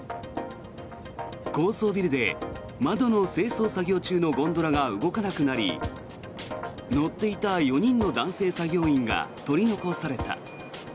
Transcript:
高層ビルで窓の清掃作業中のゴンドラが動かなくなり乗っていた４人の男性作業員が取り残された。